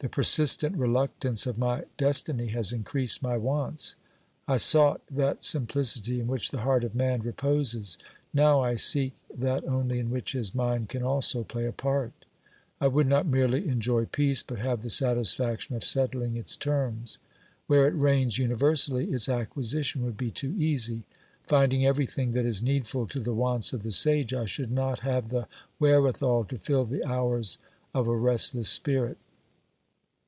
The persistent reluctance of my destiny has increased my wants. I sought that simplicity in which the heart of man reposes ; now I seek that only in which his mind can also play a part. I would not merely enjoy peace, but have the satisfaction of settling its terms. Where it reigns uni versally, its acquisition would be too easy ; finding every thing that is needful to the wants of the sage, I should not have the wherewithal to fill the hours of a restless spirit.